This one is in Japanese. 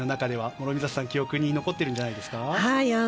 諸見里さん、記憶に残ってるんじゃないですか。